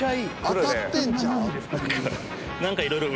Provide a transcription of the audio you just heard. ［当たってんちゃう？］